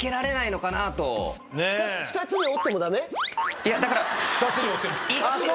いやだから。